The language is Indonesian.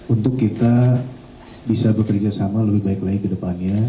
untuk kita bisa bekerjasama lebih baik lagi ke depannya